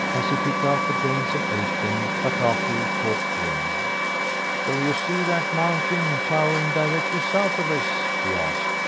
As he picked out the grains and ate them, Bataki talked to him. "Do you see that mountain towering directly south of us?" he asked.